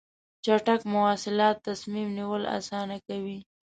چټک مواصلات تصمیم نیول اسانه کوي.